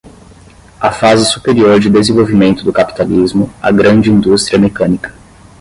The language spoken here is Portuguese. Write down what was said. a fase superior de desenvolvimento do capitalismo, a grande indústria mecânica